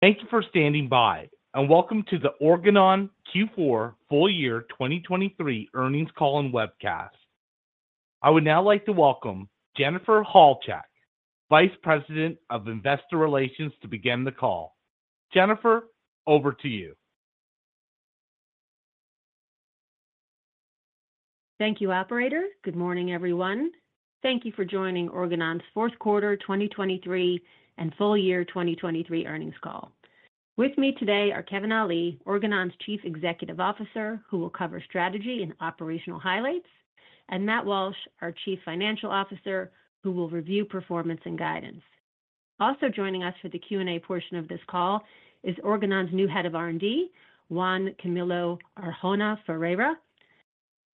Thank you for standing by, and welcome to the Organon Q4 full year 2023 earnings call and webcast. I would now like to welcome Jennifer Halchak, Vice President of Investor Relations, to begin the call. Jennifer, over to you. Thank you, Operator. Good morning, everyone. Thank you for joining Organon's fourth quarter 2023 and full year 2023 earnings call. With me today are Kevin Ali, Organon's Chief Executive Officer, who will cover strategy and operational highlights, and Matt Walsh, our Chief Financial Officer, who will review performance and guidance. Also joining us for the Q&A portion of this call is Organon's new Head of R&D, Juan Camilo Ferreira.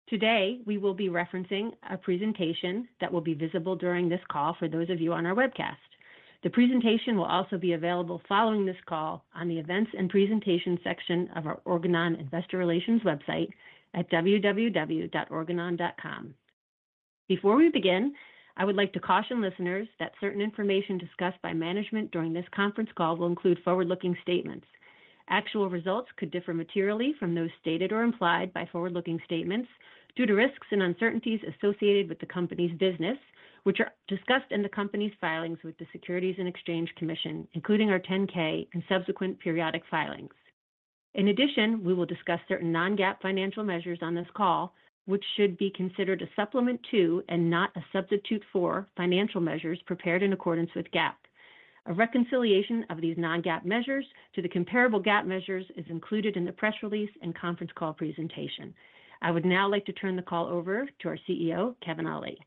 Today we will be referencing a presentation that will be visible during this call for those of you on our webcast. The presentation will also be available following this call on the Events and Presentations section of our Organon Investor Relations website at www.organon.com. Before we begin, I would like to caution listeners that certain information discussed by management during this conference call will include forward-looking statements. Actual results could differ materially from those stated or implied by forward-looking statements due to risks and uncertainties associated with the company's business, which are discussed in the company's filings with the Securities and Exchange Commission, including our 10-K and subsequent periodic filings. In addition, we will discuss certain non-GAAP financial measures on this call, which should be considered a supplement to and not a substitute for financial measures prepared in accordance with GAAP. A reconciliation of these non-GAAP measures to the comparable GAAP measures is included in the press release and conference call presentation. I would now like to turn the call over to our CEO, Kevin Ali.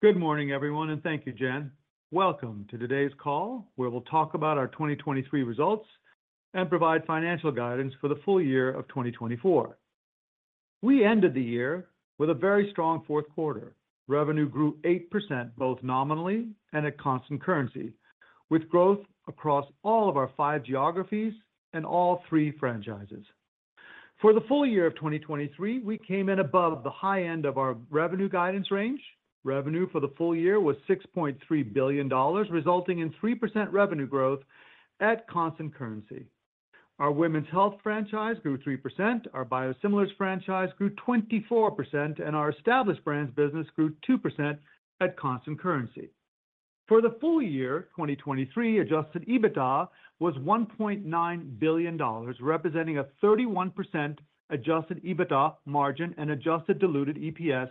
Good morning, everyone, and thank you, Jen. Welcome to today's call, where we'll talk about our 2023 results and provide financial guidance for the full year of 2024. We ended the year with a very strong fourth quarter. Revenue grew 8% both nominally and at constant currency, with growth across all of our five geographies and all three franchises. For the full year of 2023, we came in above the high end of our revenue guidance range. Revenue for the full year was $6.3 billion, resulting in 3% revenue growth at constant currency. Our Women's Health franchise grew 3%, our Biosimilars franchise grew 24%, and our Established Brands business grew 2% at constant currency. For the full year 2023, Adjusted EBITDA was $1.9 billion, representing a 31% Adjusted EBITDA margin, and adjusted diluted EPS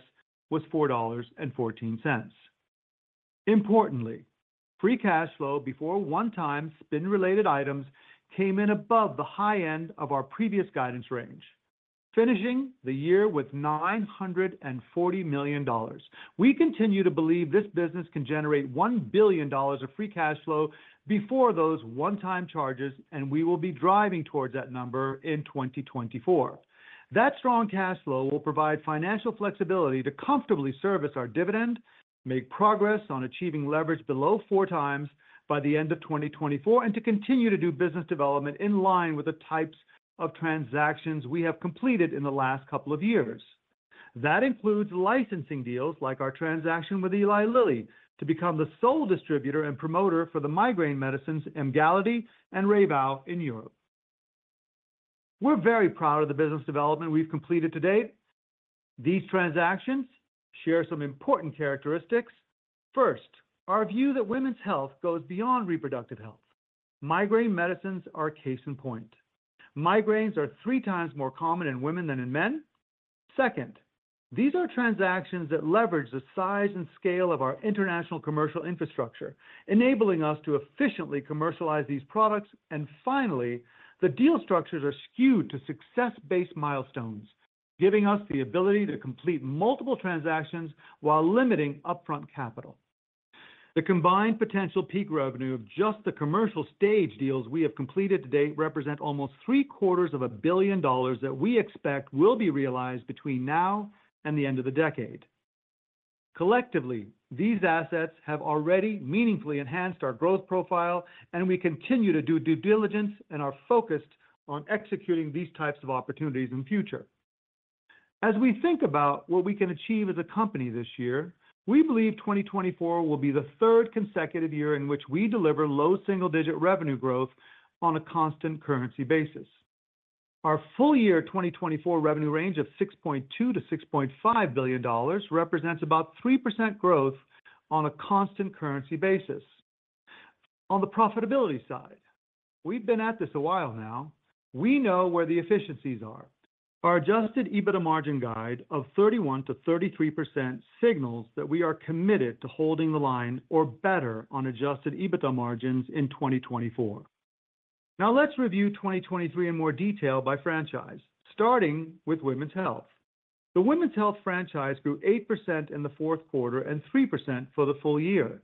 was $4.14. Importantly, free cash flow before one-time spend-related items came in above the high end of our previous guidance range, finishing the year with $940 million. We continue to believe this business can generate $1 billion of free cash flow before those one-time charges, and we will be driving towards that number in 2024. That strong cash flow will provide financial flexibility to comfortably service our dividend, make progress on achieving leverage below 4x by the end of 2024, and to continue to do business development in line with the types of transactions we have completed in the last couple of years. That includes licensing deals, like our transaction with Eli Lilly to become the sole distributor and promoter for the migraine medicines Emgality and RAYVOW in Europe. We're very proud of the business development we've completed to date. These transactions share some important characteristics. First, our view that women's health goes beyond reproductive health. Migraine medicines are case in point. Migraines are three times more common in women than in men. Second, these are transactions that leverage the size and scale of our international commercial infrastructure, enabling us to efficiently commercialize these products. And finally, the deal structures are skewed to success-based milestones, giving us the ability to complete multiple transactions while limiting upfront capital. The combined potential peak revenue of just the commercial stage deals we have completed to date represents almost $750 million that we expect will be realized between now and the end of the decade. Collectively, these assets have already meaningfully enhanced our growth profile, and we continue to do due diligence and are focused on executing these types of opportunities in the future. As we think about what we can achieve as a company this year, we believe 2024 will be the third consecutive year in which we deliver low single-digit revenue growth on a constant currency basis. Our full year 2024 revenue range of $6.2 billion-$6.5 billion represents about 3% growth on a constant currency basis. On the profitability side, we've been at this a while now. We know where the efficiencies are. Our adjusted EBITDA margin guide of 31%-33% signals that we are committed to holding the line, or better, on adjusted EBITDA margins in 2024. Now let's review 2023 in more detail by franchise, starting with Women's Health. The Women's Health franchise grew 8% in the fourth quarter and 3% for the full year.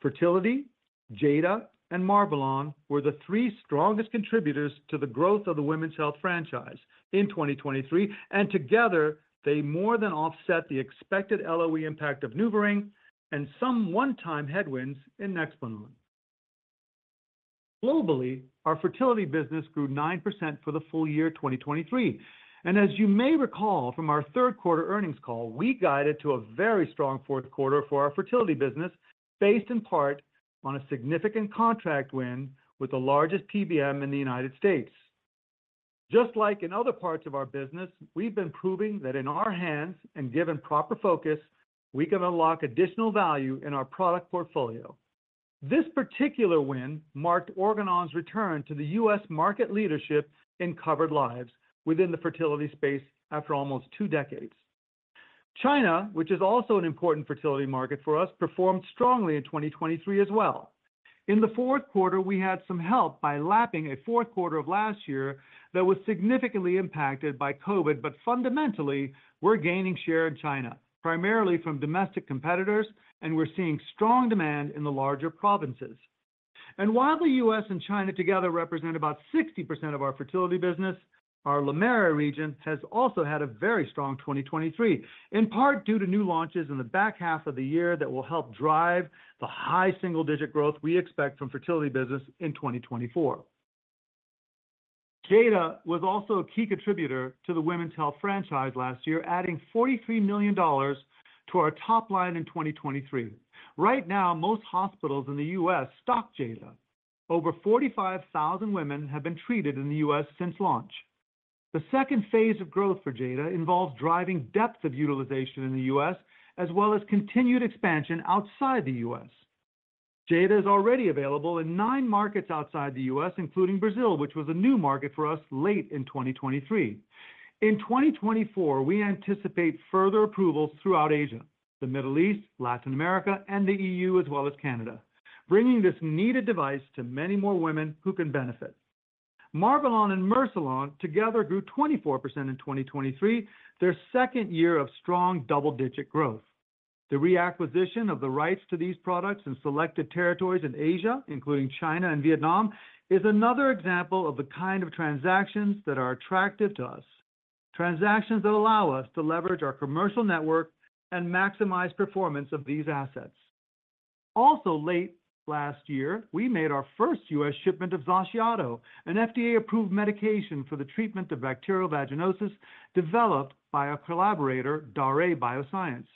Fertility, Jada, and Marvelon were the three strongest contributors to the growth of the Women's Health franchise in 2023, and together they more than offset the expected LOE impact of NuvaRing and some one-time headwinds in Nexplanon. Globally, our fertility business grew 9% for the full year 2023. And as you may recall from our third quarter earnings call, we guided to a very strong fourth quarter for our fertility business, based in part on a significant contract win with the largest PBM in the United States. Just like in other parts of our business, we've been proving that in our hands and given proper focus, we can unlock additional value in our product portfolio. This particular win marked Organon's return to the U.S. market leadership in covered lives within the fertility space after almost two decades. China, which is also an important fertility market for us, performed strongly in 2023 as well. In the fourth quarter, we had some help by lapping a fourth quarter of last year that was significantly impacted by COVID, but fundamentally we're gaining share in China, primarily from domestic competitors, and we're seeing strong demand in the larger provinces. While the U.S. and China together represent about 60% of our fertility business, our EMEA region has also had a very strong 2023, in part due to new launches in the back half of the year that will help drive the high single-digit growth we expect from fertility business in 2024. Jada was also a key contributor to the Women's Health franchise last year, adding $43 million to our top line in 2023. Right now, most hospitals in the U.S. stock Jada. Over 45,000 women have been treated in the U.S. since launch. The second phase of growth for Jada involves driving depth of utilization in the U.S., as well as continued expansion outside the U.S. Jada is already available in nine markets outside the U.S., including Brazil, which was a new market for us late in 2023. In 2024, we anticipate further approvals throughout Asia, the Middle East, Latin America, and the EU, as well as Canada, bringing this needed device to many more women who can benefit. Marvelon and Mercilon together grew 24% in 2023, their second year of strong double-digit growth. The reacquisition of the rights to these products in selected territories in Asia, including China and Vietnam, is another example of the kind of transactions that are attractive to us, transactions that allow us to leverage our commercial network and maximize performance of these assets. Also, late last year, we made our first U.S. shipment of XACIATO, an FDA-approved medication for the treatment of bacterial vaginosis developed by our collaborator, Daré Bioscience.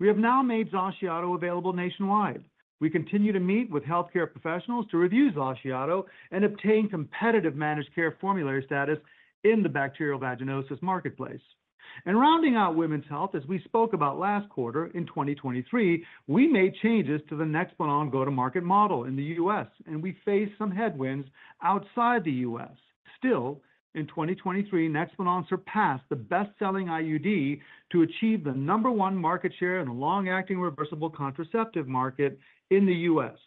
We have now made XACIATO available nationwide. We continue to meet with healthcare professionals to review XACIATO and obtain competitive managed care formulary status in the bacterial vaginosis marketplace. Rounding out Women's Health, as we spoke about last quarter in 2023, we made changes to the Nexplanon go-to-market model in the U.S., and we faced some headwinds outside the U.S. Still, in 2023, Nexplanon surpassed the best-selling IUD to achieve the number one market share in the long-acting reversible contraceptive market in the U.S.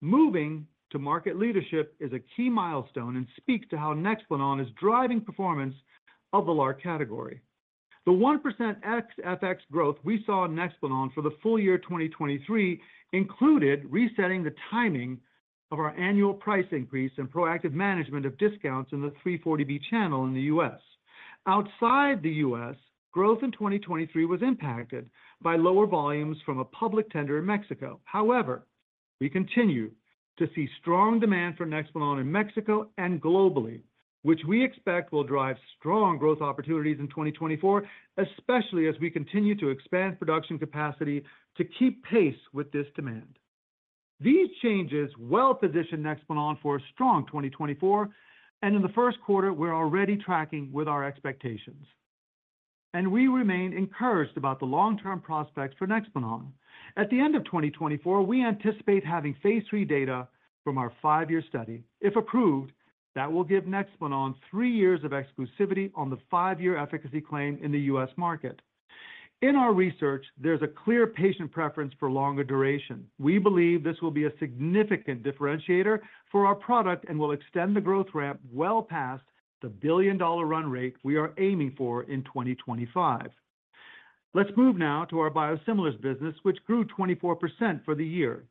Moving to market leadership is a key milestone and speaks to how Nexplanon is driving performance of the LAR category. The 1% XFX growth we saw in Nexplanon for the full year 2023 included resetting the timing of our annual price increase and proactive management of discounts in the 340B channel in the U.S. Outside the U.S., growth in 2023 was impacted by lower volumes from a public tender in Mexico. However, we continue to see strong demand for Nexplanon in Mexico and globally, which we expect will drive strong growth opportunities in 2024, especially as we continue to expand production capacity to keep pace with this demand. These changes well position Nexplanon for a strong 2024, and in the first quarter, we're already tracking with our expectations. And we remain encouraged about the long-term prospects for Nexplanon. At the end of 2024, we anticipate having phase III data from our five-year study. If approved, that will give Nexplanon three years of exclusivity on the five-year efficacy claim in the U.S. market. In our research, there's a clear patient preference for longer duration. We believe this will be a significant differentiator for our product and will extend the growth ramp well past the billion-dollar run rate we are aiming for in 2025. Let's move now to our Biosimilars business, which grew 24% for the year.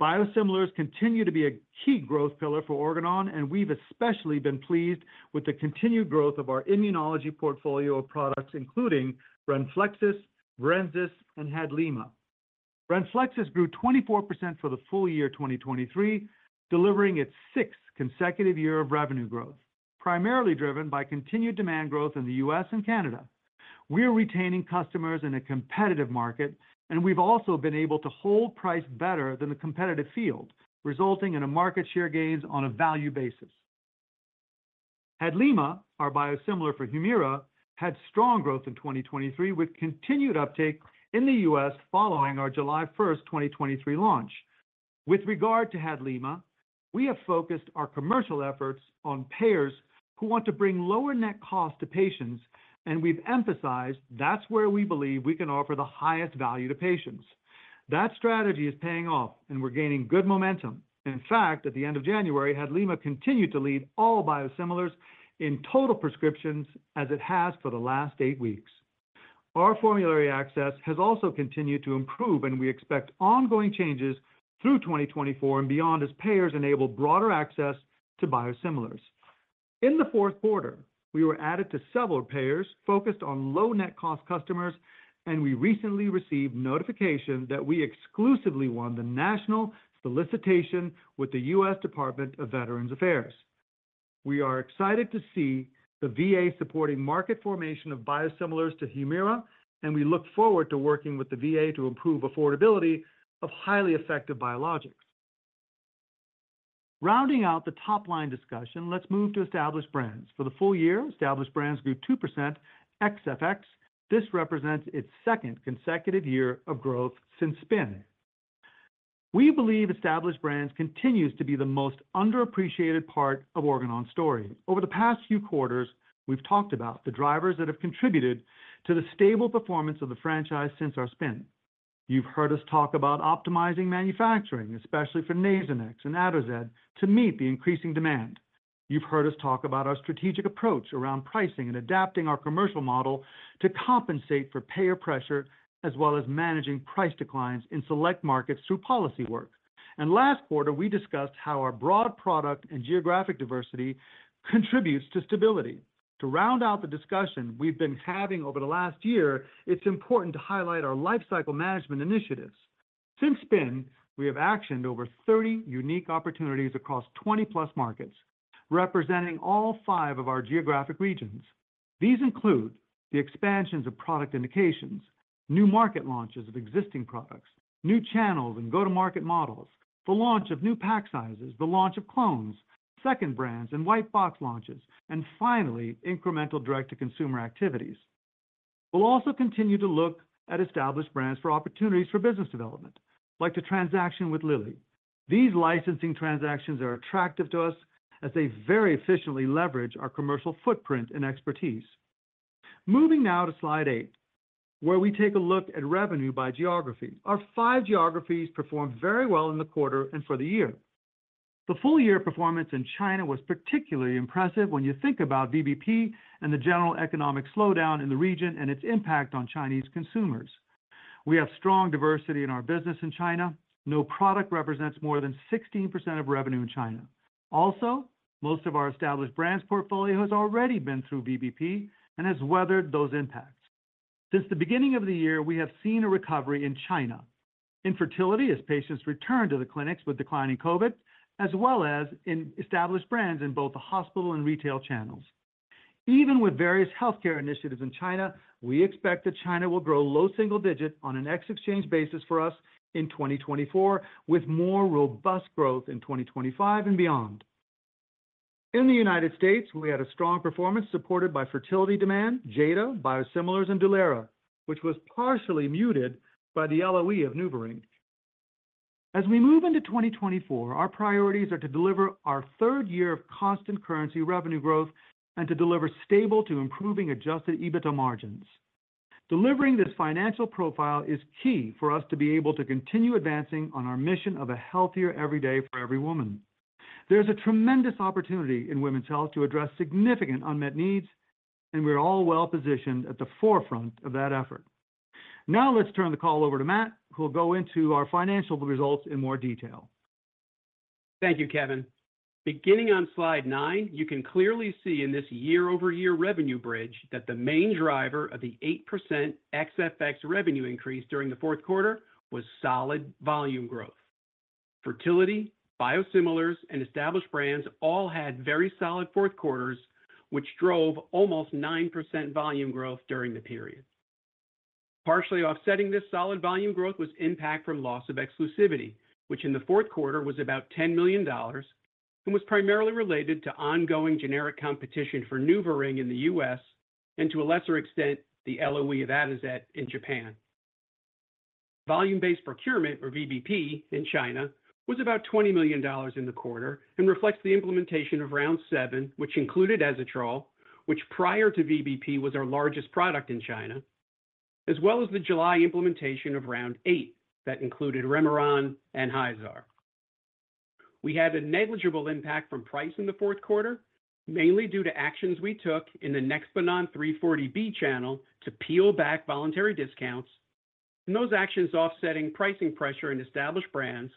Biosimilars continue to be a key growth pillar for Organon, and we've especially been pleased with the continued growth of our immunology portfolio of products, including Renflexis, Brenzys, and HADLIMA. Renflexis grew 24% for the full year 2023, delivering its sixth consecutive year of revenue growth, primarily driven by continued demand growth in the U.S. and Canada. We're retaining customers in a competitive market, and we've also been able to hold price better than the competitive field, resulting in a market share gains on a value basis. HADLIMA, our biosimilar for HUMIRA, had strong growth in 2023 with continued uptake in the U.S. following our July 1, 2023 launch. With regard to HADLIMA, we have focused our commercial efforts on payers who want to bring lower net costs to patients, and we've emphasized that's where we believe we can offer the highest value to patients. That strategy is paying off, and we're gaining good momentum. In fact, at the end of January, HADLIMA continued to lead all biosimilars in total prescriptions as it has for the last eight weeks. Our formulary access has also continued to improve, and we expect ongoing changes through 2024 and beyond as payers enable broader access to biosimilars. In the fourth quarter, we were added to several payers focused on low-net-cost customers, and we recently received notification that we exclusively won the national solicitation with the U.S. Department of Veterans Affairs. We are excited to see the VA supporting market formation of biosimilars to HUMIRA, and we look forward to working with the VA to improve affordability of highly effective biologics. Rounding out the top line discussion, let's move to established brands. For the full year, established brands grew 2% XFX. This represents its second consecutive year of growth since spin. We believe established brands continue to be the most underappreciated part of Organon's story. Over the past few quarters, we've talked about the drivers that have contributed to the stable performance of the franchise since our spin. You've heard us talk about optimizing manufacturing, especially for Nasonex and Atozet, to meet the increasing demand. You've heard us talk about our strategic approach around pricing and adapting our commercial model to compensate for payer pressure, as well as managing price declines in select markets through policy work. Last quarter, we discussed how our broad product and geographic diversity contributes to stability. To round out the discussion we've been having over the last year, it's important to highlight our lifecycle management initiatives. Since spin, we have actioned over 30 unique opportunities across 20+ markets, representing all five of our geographic regions. These include the expansions of product indications, new market launches of existing products, new channels and go-to-market models, the launch of new pack sizes, the launch of clones, second brands and white box launches, and finally, incremental direct-to-consumer activities. We'll also continue to look at established brands for opportunities for business development, like the transaction with Lilly. These licensing transactions are attractive to us as they very efficiently leverage our commercial footprint and expertise. Moving now to slide eight, where we take a look at revenue by geography. Our five geographies performed very well in the quarter and for the year. The full-year performance in China was particularly impressive when you think about VBP and the general economic slowdown in the region and its impact on Chinese consumers. We have strong diversity in our business in China. No product represents more than 16% of revenue in China. Also, most of our established brands portfolio has already been through VBP and has weathered those impacts. Since the beginning of the year, we have seen a recovery in China, in fertility as patients return to the clinics with declining COVID, as well as in established brands in both the hospital and retail channels. Even with various healthcare initiatives in China, we expect that China will grow low single-digit on an exchange basis for us in 2024, with more robust growth in 2025 and beyond. In the United States, we had a strong performance supported by fertility demand, Jada, biosimilars, and Dulera, which was partially muted by the LOE of NuvaRing. As we move into 2024, our priorities are to deliver our third year of constant currency revenue growth and to deliver stable to improving adjusted EBITDA margins. Delivering this financial profile is key for us to be able to continue advancing on our mission of a healthier every day for every woman. There's a tremendous opportunity in Women's Health to address significant unmet needs, and we're all well positioned at the forefront of that effort. Now let's turn the call over to Matt, who will go into our financial results in more detail. Thank you, Kevin. Beginning on slide nine, you can clearly see in this year-over-year revenue bridge that the main driver of the 8% XFX revenue increase during the fourth quarter was solid volume growth. Fertility, biosimilars, and established brands all had very solid fourth quarters, which drove almost 9% volume growth during the period. Partially offsetting this solid volume growth was impact from loss of exclusivity, which in the fourth quarter was about $10 million and was primarily related to ongoing generic competition for NuvaRing in the U.S. and to a lesser extent the LOE of Atozet in Japan. Volume-based procurement, or VBP, in China was about $20 million in the quarter and reflects the implementation of round seven, which included Atozet, which prior to VBP was our largest product in China, as well as the July implementation of round eight that included Remeron and Hyzaar. We had a negligible impact from price in the fourth quarter, mainly due to actions we took in the Nexplanon 340B channel to peel back voluntary discounts, and those actions offsetting pricing pressure in established brands,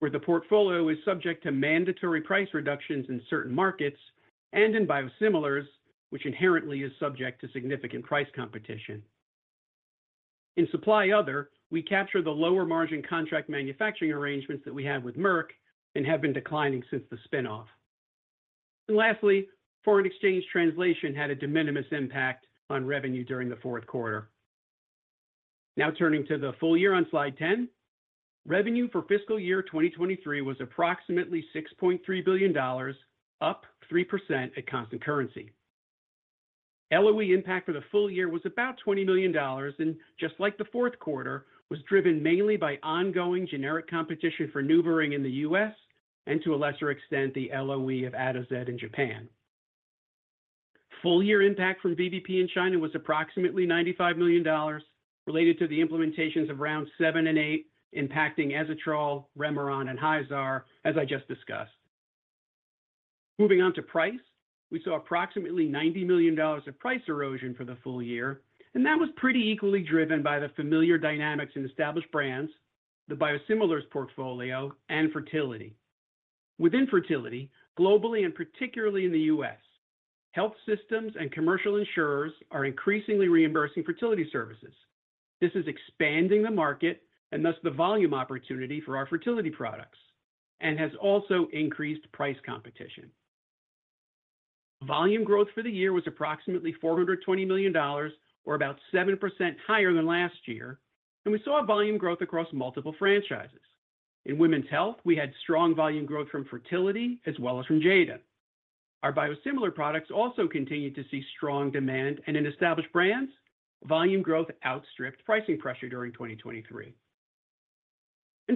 where the portfolio is subject to mandatory price reductions in certain markets and in biosimilars, which inherently is subject to significant price competition. In supply other, we capture the lower margin contract manufacturing arrangements that we have with Merck and have been declining since the spinoff. And lastly, foreign exchange translation had a de minimis impact on revenue during the fourth quarter. Now turning to the full year on slide 10, revenue for fiscal year 2023 was approximately $6.3 billion, up 3% at constant currency. LOE impact for the full year was about $20 million and, just like the fourth quarter, was driven mainly by ongoing generic competition for NuvaRing in the U.S. To a lesser extent the LOE of Atozet in Japan. Full-year impact from VBP in China was approximately $95 million, related to the implementations of round seven and eight, impacting Atozet, Remeron, and Hyzaar, as I just discussed. Moving on to price, we saw approximately $90 million of price erosion for the full year, and that was pretty equally driven by the familiar dynamics in established brands, the biosimilars portfolio, and fertility. Within fertility, globally and particularly in the U.S., health systems and commercial insurers are increasingly reimbursing fertility services. This is expanding the market and thus the volume opportunity for our fertility products and has also increased price competition. Volume growth for the year was approximately $420 million, or about 7% higher than last year, and we saw volume growth across multiple franchises. In Women's Health, we had strong volume growth from fertility as well as from Jada. Our biosimilar products also continued to see strong demand, and in established brands, volume growth outstripped pricing pressure during 2023.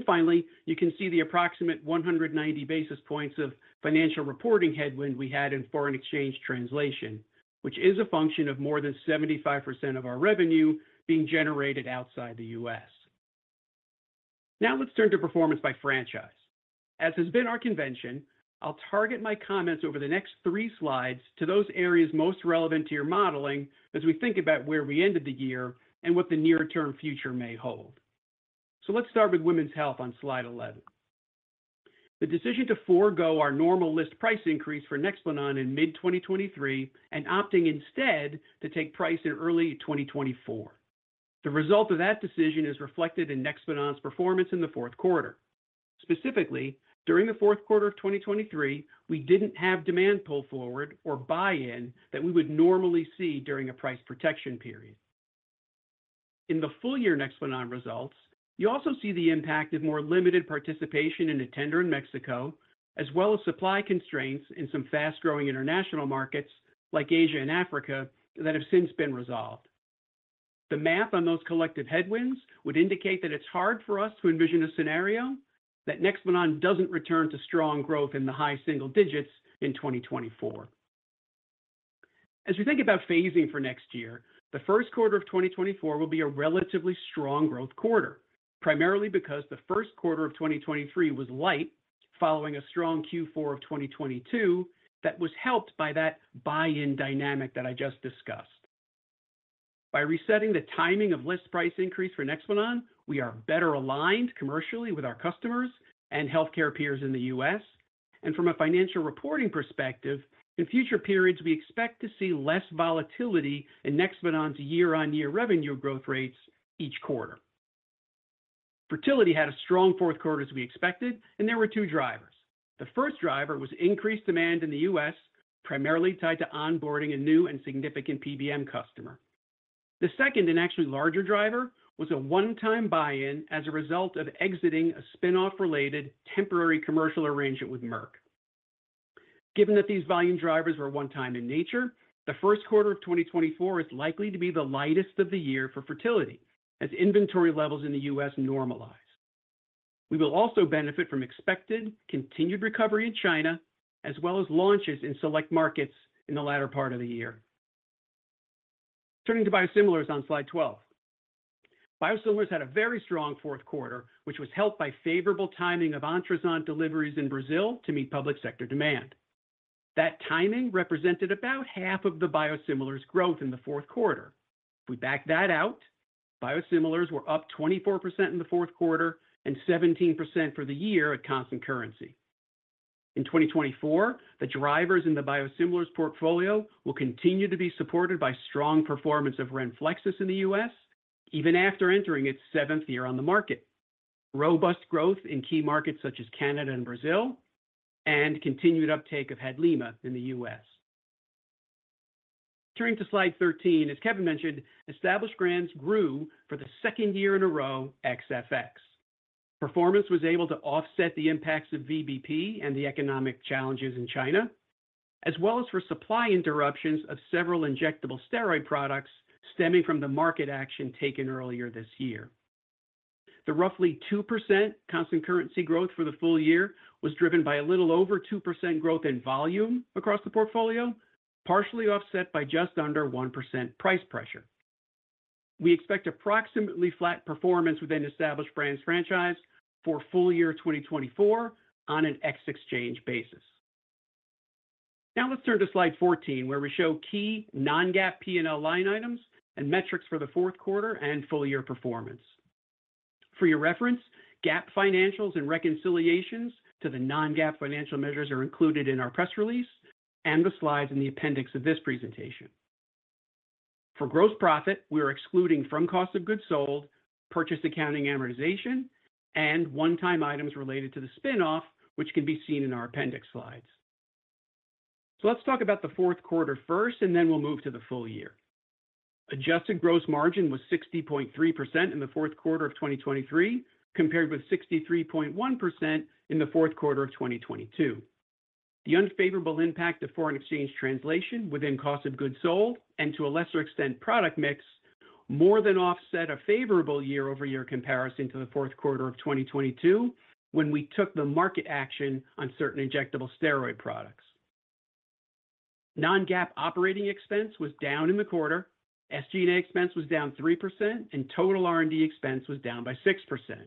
Finally, you can see the approximate 190 basis points of financial reporting headwind we had in foreign exchange translation, which is a function of more than 75% of our revenue being generated outside the U.S. Now let's turn to performance by franchise. As has been our convention, I'll target my comments over the next three slides to those areas most relevant to your modeling as we think about where we ended the year and what the near-term future may hold. Let's start with Women's Health on slide 11. The decision to forego our normal list price increase for Nexplanon in mid-2023 and opting instead to take price in early 2024. The result of that decision is reflected in Nexplanon's performance in the fourth quarter. Specifically, during the fourth quarter of 2023, we didn't have demand pull forward or buy-in that we would normally see during a price protection period. In the full-year Nexplanon results, you also see the impact of more limited participation in a tender in Mexico, as well as supply constraints in some fast-growing international markets like Asia and Africa that have since been resolved. The math on those collective headwinds would indicate that it's hard for us to envision a scenario that Nexplanon doesn't return to strong growth in the high single digits in 2024. As we think about phasing for next year, the first quarter of 2024 will be a relatively strong growth quarter, primarily because the first quarter of 2023 was light following a strong Q4 of 2022 that was helped by that buy-in dynamic that I just discussed. By resetting the timing of list price increase for Nexplanon, we are better aligned commercially with our customers and healthcare peers in the U.S., and from a financial reporting perspective, in future periods we expect to see less volatility in Nexplanon's year-on-year revenue growth rates each quarter. Fertility had a strong fourth quarter as we expected, and there were two drivers. The first driver was increased demand in the U.S., primarily tied to onboarding a new and significant PBM customer. The second and actually larger driver was a one-time buy-in as a result of exiting a spinoff-related temporary commercial arrangement with Merck. Given that these volume drivers were one-time in nature, the first quarter of 2024 is likely to be the lightest of the year for fertility as inventory levels in the U.S. normalize. We will also benefit from expected continued recovery in China, as well as launches in select markets in the latter part of the year. Turning to biosimilars on Slide 12. Biosimilars had a very strong fourth quarter, which was helped by favorable timing of etanercept deliveries in Brazil to meet public sector demand. That timing represented about half of the biosimilars' growth in the fourth quarter. If we back that out, biosimilars were up 24% in the fourth quarter and 17% for the year at constant currency. In 2024, the drivers in the biosimilars portfolio will continue to be supported by strong performance of Renflexis in the U.S., even after entering its seventh year on the market, robust growth in key markets such as Canada and Brazil, and continued uptake of HADLIMA in the U.S. Turning to slide 13, as Kevin mentioned, established brands grew for the second year in a row XFX. Performance was able to offset the impacts of VBP and the economic challenges in China, as well as for supply interruptions of several injectable steroid products stemming from the market action taken earlier this year. The roughly 2% constant currency growth for the full year was driven by a little over 2% growth in volume across the portfolio, partially offset by just under 1% price pressure. We expect approximately flat performance within established brands franchise for full year 2024 on an exchange basis. Now let's turn to slide 14, where we show key non-GAAP P&L line items and metrics for the fourth quarter and full year performance. For your reference, GAAP financials and reconciliations to the non-GAAP financial measures are included in our press release and the slides in the appendix of this presentation. For gross profit, we are excluding from cost of goods sold, purchase accounting amortization, and one-time items related to the spinoff, which can be seen in our appendix slides. So let's talk about the fourth quarter first, and then we'll move to the full year. Adjusted gross margin was 60.3% in the fourth quarter of 2023, compared with 63.1% in the fourth quarter of 2022. The unfavorable impact of foreign exchange translation within cost of goods sold and to a lesser extent product mix more than offset a favorable year-over-year comparison to the fourth quarter of 2022 when we took the market action on certain injectable steroid products. Non-GAAP operating expense was down in the quarter, SG&A expense was down 3%, and total R&D expense was down by 6%.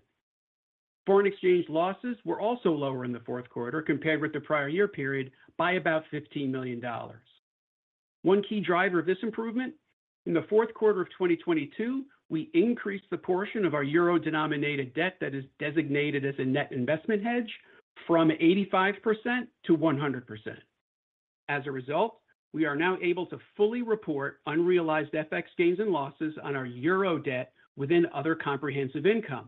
Foreign exchange losses were also lower in the fourth quarter compared with the prior year period by about $15 million. One key driver of this improvement, in the fourth quarter of 2022, we increased the portion of our euro-denominated debt that is designated as a net investment hedge from 85%-100%. As a result, we are now able to fully report unrealized FX gains and losses on our euro debt within other comprehensive income,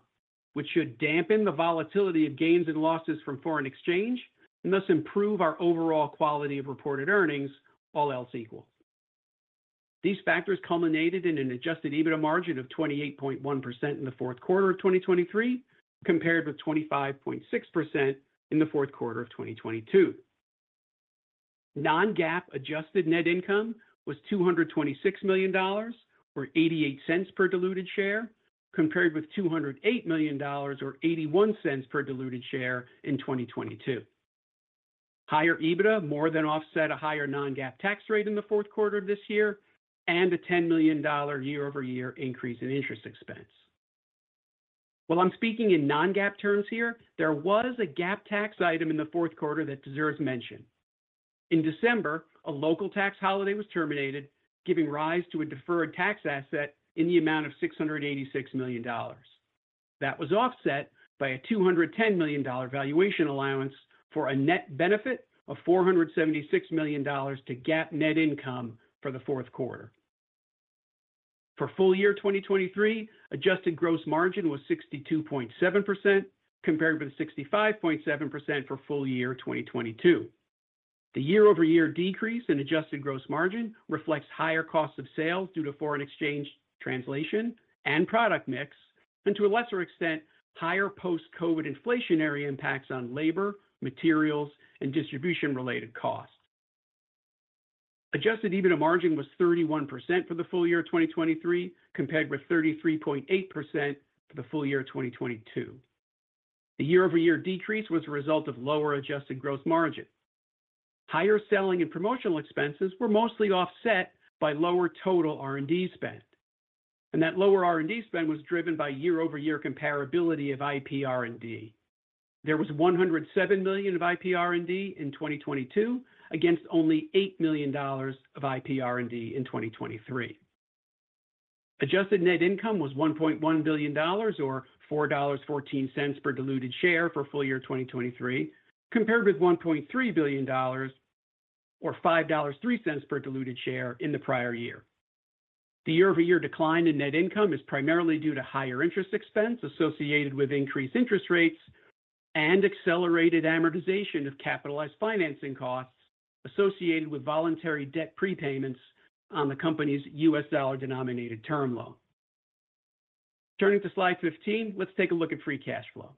which should dampen the volatility of gains and losses from foreign exchange and thus improve our overall quality of reported earnings, all else equal. These factors culminated in an adjusted EBITDA margin of 28.1% in the fourth quarter of 2023, compared with 25.6% in the fourth quarter of 2022. Non-GAAP adjusted net income was $226 million, or $0.88 per diluted share, compared with $208 million, or $0.81 per diluted share in 2022. Higher EBITDA more than offset a higher non-GAAP tax rate in the fourth quarter of this year and a $10 million year-over-year increase in interest expense. While I'm speaking in non-GAAP terms here, there was a GAAP tax item in the fourth quarter that deserves mention. In December, a local tax holiday was terminated, giving rise to a deferred tax asset in the amount of $686 million. That was offset by a $210 million valuation allowance for a net benefit of $476 million to GAAP net income for the fourth quarter. For full year 2023, adjusted gross margin was 62.7%, compared with 65.7% for full year 2022. The year-over-year decrease in adjusted gross margin reflects higher costs of sales due to foreign exchange translation and product mix and to a lesser extent higher post-COVID inflationary impacts on labor, materials, and distribution-related costs. Adjusted EBITDA margin was 31% for the full year 2023, compared with 33.8% for the full year 2022. The year-over-year decrease was a result of lower adjusted gross margin. Higher selling and promotional expenses were mostly offset by lower total R&D spend, and that lower R&D spend was driven by year-over-year comparability of IP R&D. There was $107 million of IP R&D in 2022 against only $8 million of IP R&D in 2023. Adjusted net income was $1.1 billion, or $4.14 per diluted share for full year 2023, compared with $1.3 billion, or $5.03 per diluted share in the prior year. The year-over-year decline in net income is primarily due to higher interest expense associated with increased interest rates and accelerated amortization of capitalized financing costs associated with voluntary debt prepayments on the company's U.S. dollar denominated term loan. Turning to slide 15, let's take a look at free cash flow.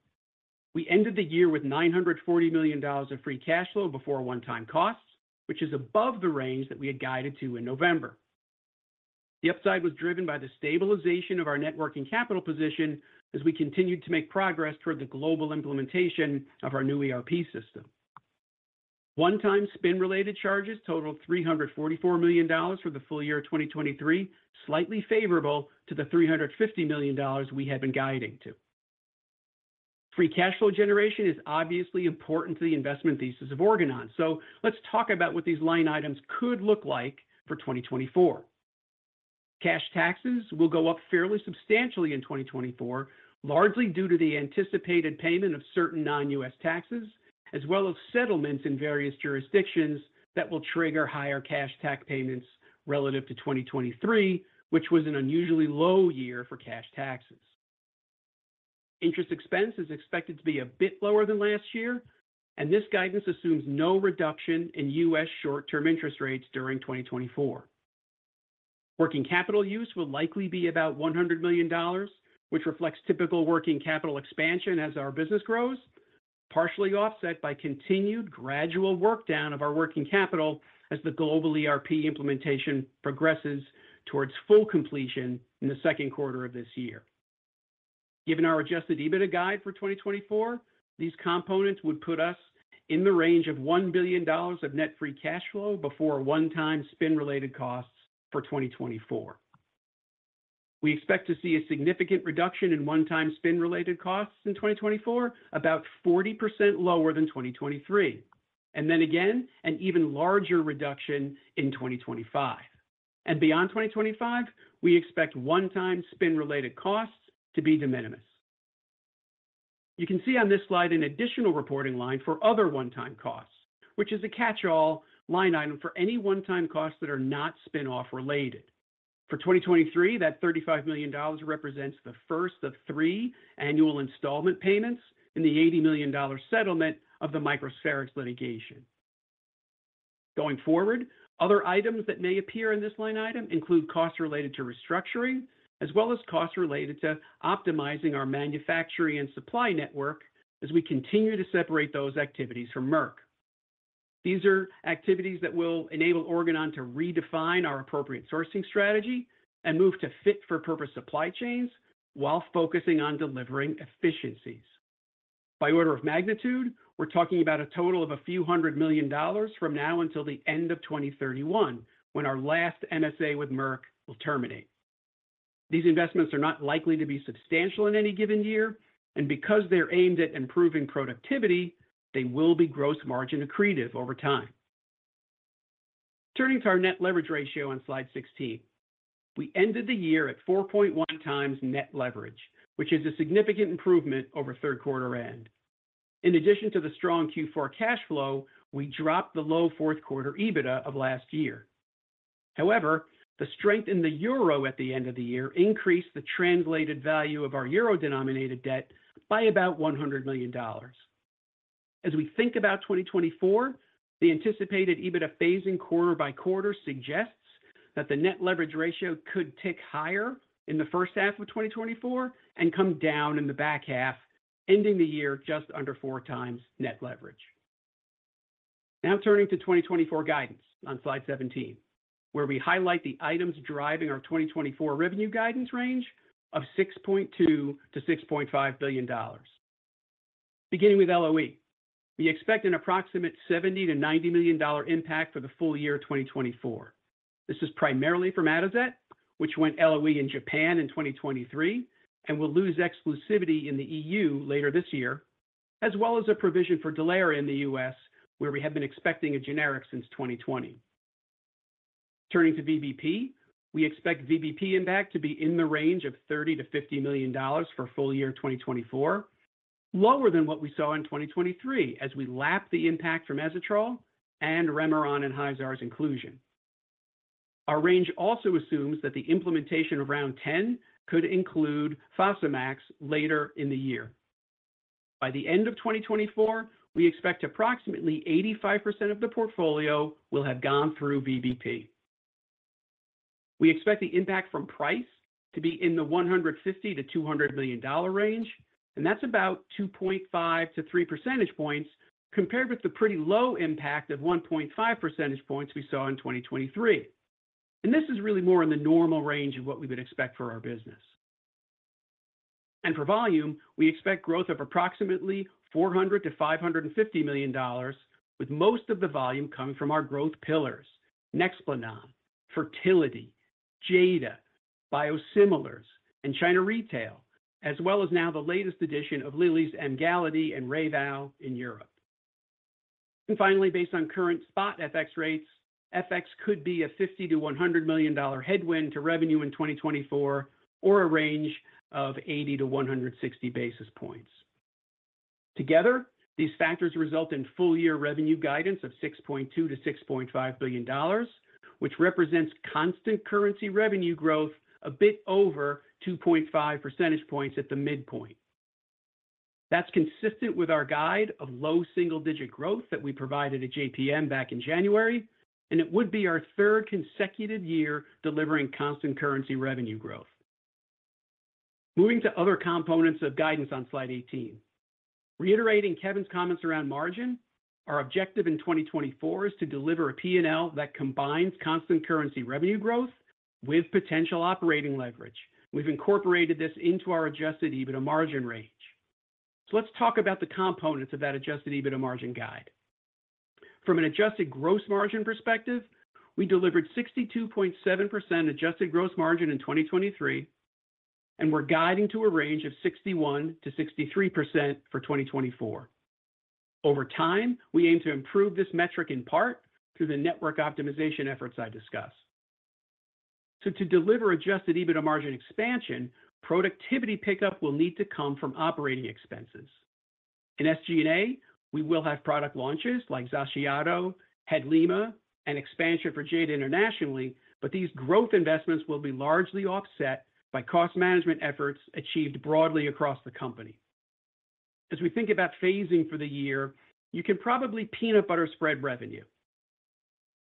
We ended the year with $940 million of free cash flow before one-time costs, which is above the range that we had guided to in November. The upside was driven by the stabilization of our working capital position as we continued to make progress toward the global implementation of our new ERP system. One-time spin-related charges totaled $344 million for the full year 2023, slightly favorable to the $350 million we had been guiding to. Free cash flow generation is obviously important to the investment thesis of Organon, so let's talk about what these line items could look like for 2024. Cash taxes will go up fairly substantially in 2024, largely due to the anticipated payment of certain non-U.S. taxes, as well as settlements in various jurisdictions that will trigger higher cash tax payments relative to 2023, which was an unusually low year for cash taxes. Interest expense is expected to be a bit lower than last year, and this guidance assumes no reduction in U.S. short-term interest rates during 2024. Working capital use will likely be about $100 million, which reflects typical working capital expansion as our business grows, partially offset by continued gradual workdown of our working capital as the global ERP implementation progresses towards full completion in the second quarter of this year. Given our Adjusted EBITDA guide for 2024, these components would put us in the range of $1 billion of net Free Cash Flow before one-time spin-related costs for 2024. We expect to see a significant reduction in one-time spin-related costs in 2024, about 40% lower than 2023, and then again an even larger reduction in 2025. Beyond 2025, we expect one-time spin-related costs to be de minimis. You can see on this slide an additional reporting line for other one-time costs, which is a catch-all line item for any one-time costs that are not spinoff-related. For 2023, that $35 million represents the first of three annual installment payments in the $80 million settlement of the Microspherix litigation. Going forward, other items that may appear in this line item include costs related to restructuring, as well as costs related to optimizing our manufacturing and supply network as we continue to separate those activities from Merck. These are activities that will enable Organon to redefine our appropriate sourcing strategy and move to fit-for-purpose supply chains while focusing on delivering efficiencies. By order of magnitude, we're talking about a total of a few hundred million dollars from now until the end of 2031 when our last MSA with Merck will terminate. These investments are not likely to be substantial in any given year, and because they're aimed at improving productivity, they will be gross margin accretive over time. Turning to our Net Leverage Ratio on slide 16. We ended the year at 4.1x net leverage, which is a significant improvement over third quarter end. In addition to the strong Q4 cash flow, we dropped the low fourth quarter EBITDA of last year. However, the strength in the euro at the end of the year increased the translated value of our euro-denominated debt by about $100 million. As we think about 2024, the anticipated EBITDA phasing quarter by quarter suggests that the net leverage ratio could tick higher in the first half of 2024 and come down in the back half, ending the year just under 4x net leverage. Now turning to 2024 guidance on slide 17, where we highlight the items driving our 2024 revenue guidance range of $6.2 billion-$6.5 billion. Beginning with LOE. We expect an approximate $70 million-$90 million impact for the full year 2024. This is primarily from Atozet, which went LOE in Japan in 2023 and will lose exclusivity in the EU later this year, as well as a provision for Dulera in the U.S., where we had been expecting a generic since 2020. Turning to VBP. We expect VBP impact to be in the range of $30 million-$50 million for full year 2024, lower than what we saw in 2023 as we lap the impact from EZETROL and REMERON and Hyzaar's inclusion. Our range also assumes that the implementation of Round 10 could include Fosamax later in the year. By the end of 2024, we expect approximately 85% of the portfolio will have gone through VBP. We expect the impact from price to be in the $150 million-$200 million range, and that's about 2.5-3 percentage points compared with the pretty low impact of 1.5 percentage points we saw in 2023. This is really more in the normal range of what we would expect for our business. For volume, we expect growth of approximately $400 million-$550 million, with most of the volume coming from our growth pillars: Nexplanon, Fertility, Jada, Biosimilars, and China Retail, as well as now the latest edition of Lilly's Emgality and RAYVOW in Europe. Finally, based on current spot FX rates, FX could be a $50 million-$100 million headwind to revenue in 2024 or a range of 80-160 basis points. Together, these factors result in full year revenue guidance of $6.2 billion-$6.5 billion, which represents constant currency revenue growth a bit over 2.5 percentage points at the midpoint. That's consistent with our guide of low single-digit growth that we provided at JPM back in January, and it would be our third consecutive year delivering constant currency revenue growth. Moving to other components of guidance on slide 18. Reiterating Kevin's comments around margin, our objective in 2024 is to deliver a P&L that combines constant currency revenue growth with potential operating leverage. We've incorporated this into our Adjusted EBITDA margin range. So let's talk about the components of that Adjusted EBITDA margin guide. From an adjusted gross margin perspective, we delivered 62.7% adjusted gross margin in 2023, and we're guiding to a range of 61%-63% for 2024. Over time, we aim to improve this metric in part through the network optimization efforts I discussed. So to deliver adjusted EBITDA margin expansion, productivity pickup will need to come from operating expenses. In SG&A, we will have product launches like XACIATO, HADLIMA, and expansion for Jada internationally, but these growth investments will be largely offset by cost management efforts achieved broadly across the company. As we think about phasing for the year, you can probably peanut butter spread revenue.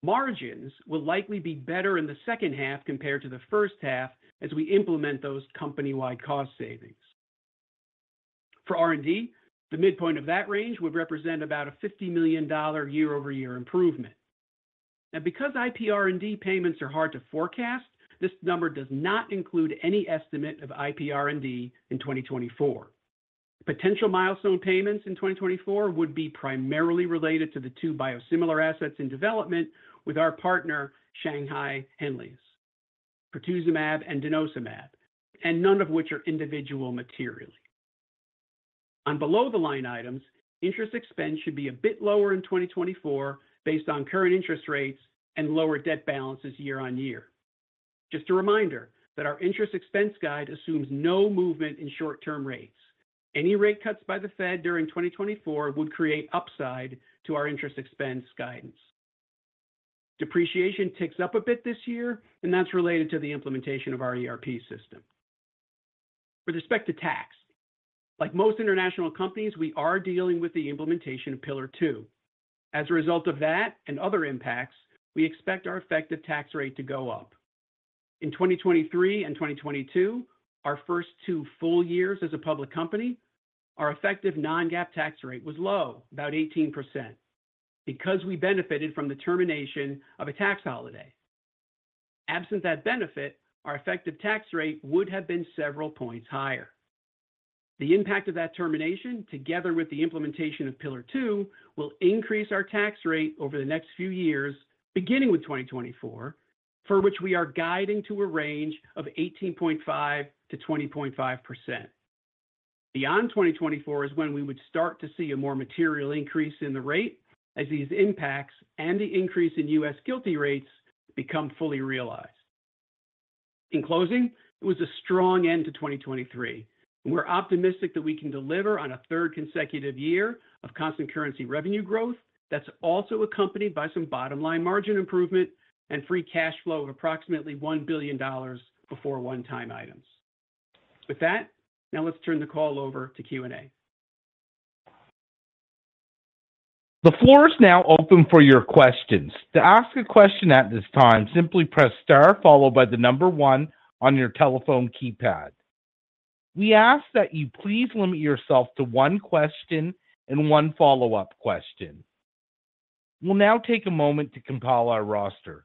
Margins will likely be better in the second half compared to the first half as we implement those company-wide cost savings. For R&D, the midpoint of that range would represent about a $50 million year-over-year improvement. Now, because IP R&D payments are hard to forecast, this number does not include any estimate of IP R&D in 2024. Potential milestone payments in 2024 would be primarily related to the two biosimilar assets in development with our partner Shanghai Henlius, pertuzumab and denosumab, and none of which are individually material. On below-the-line items, interest expense should be a bit lower in 2024 based on current interest rates and lower debt balances year-over-year. Just a reminder that our interest expense guide assumes no movement in short-term rates. Any rate cuts by the Fed during 2024 would create upside to our interest expense guidance. Depreciation ticks up a bit this year, and that's related to the implementation of our ERP system. With respect to tax, like most international companies, we are dealing with the implementation of Pillar 2. As a result of that and other impacts, we expect our effective tax rate to go up. In 2023 and 2022, our first two full years as a public company, our effective non-GAAP tax rate was low, about 18%, because we benefited from the termination of a tax holiday. Absent that benefit, our effective tax rate would have been several points higher. The impact of that termination, together with the implementation of Pillar 2, will increase our tax rate over the next few years, beginning with 2024, for which we are guiding to a range of 18.5%-20.5%. Beyond 2024 is when we would start to see a more material increase in the rate as these impacts and the increase in U.S. GILTI rates become fully realized. In closing, it was a strong end to 2023, and we're optimistic that we can deliver on a third consecutive year of constant currency revenue growth that's also accompanied by some bottom-line margin improvement and free cash flow of approximately $1 billion before one-time items. With that, now let's turn the call over to Q&A. The floor is now open for your questions. To ask a question at this time, simply press star followed by the number one on your telephone keypad. We ask that you please limit yourself to one question and one follow-up question. We'll now take a moment to compile our roster.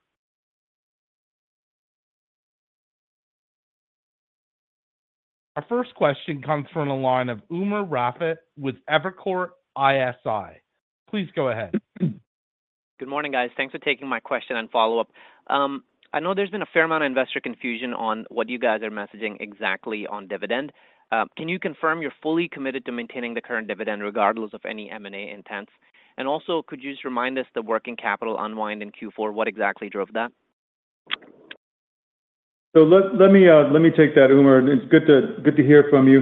Our first question comes from a line of Umer Raffat with Evercore ISI. Please go ahead. Good morning, guys. Thanks for taking my question and follow-up. I know there's been a fair amount of investor confusion on what you guys are messaging exactly on dividend. Can you confirm you're fully committed to maintaining the current dividend regardless of any M&A intents? And also, could you just remind us the working capital unwind in Q4, what exactly drove that? So let me take that, Umar. It's good to hear from you.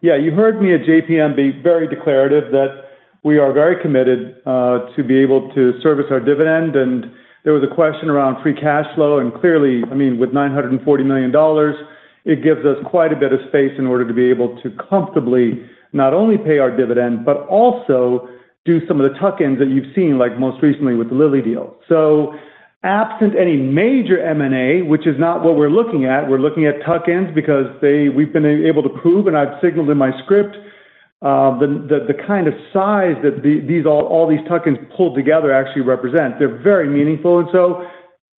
Yeah, you heard me at JPM be very declarative that we are very committed to be able to service our dividend, and there was a question around free cash flow, and clearly, I mean, with $940 million, it gives us quite a bit of space in order to be able to comfortably not only pay our dividend but also do some of the tuck-ins that you've seen, like most recently with the Lilly deal. So absent any major M&A, which is not what we're looking at, we're looking at tuck-ins because they, we've been able to prove, and I've signaled in my script, the kind of size that all these tuck-ins pulled together actually represent. They're very meaningful, and so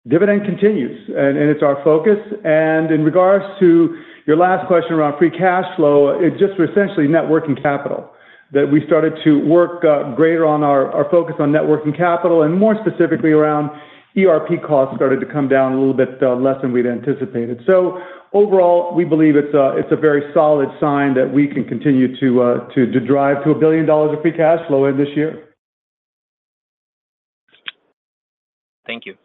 dividend continues, and it's our focus. In regards to your last question around free cash flow, it's just we're essentially working capital that we started to work greater on our focus on working capital, and more specifically around ERP costs started to come down a little bit, less than we'd anticipated. So overall, we believe it's a very solid sign that we can continue to drive to $1 billion of free cash flow in this year. Thank you.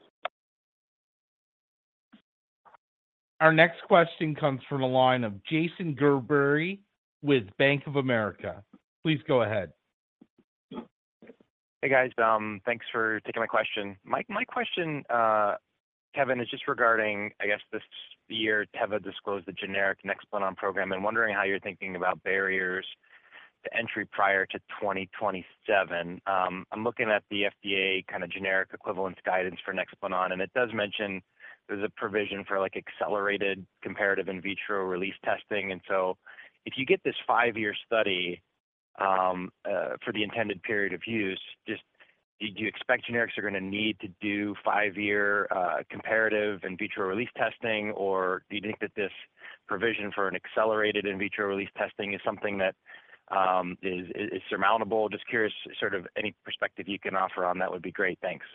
Our next question comes from a line of Jason Gerberry with Bank of America. Please go ahead. Hey, guys. Thanks for taking my question. My question, Kevin, is just regarding, I guess, this year Teva disclosed the generic Nexplanon program and wondering how you're thinking about barriers to entry prior to 2027. I'm looking at the FDA kind of generic equivalence guidance for Nexplanon, and it does mention there's a provision for, like, accelerated comparative in vitro release testing. And so if you get this five-year study, for the intended period of use, just do you expect generics are going to need to do five-year comparative in vitro release testing, or do you think that this provision for an accelerated in vitro release testing is something that is surmountable? Just curious, sort of, any perspective you can offer on that would be great. Thanks.